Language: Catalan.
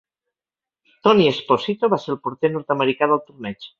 Tony Esposito va ser el porter nord-americà del torneig.